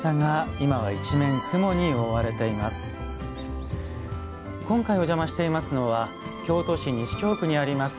今回お邪魔していますのは京都市西京区にあります